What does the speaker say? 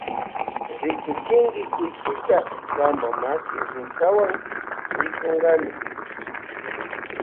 Rikuchinki kuychita kampa maki rukata ismunkami.